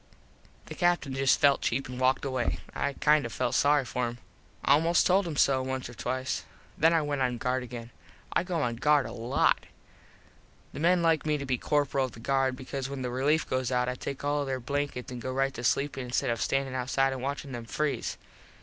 The Captin just felt cheap an walked away. I kind of felt sorry for him. Almost told him so once or twice. Then I went on guard again. I go on guard a lot. The men like me to be corperal of the guard because when the relief goes out I take all their blankets an go right to sleep instead of standin outside an watchin them freeze.